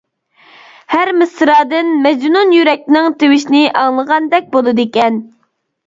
ھەر مىسرادىن مەجنۇن يۈرەكنىڭ تىۋىشىنى ئاڭلىغاندەك بولىدىكەن.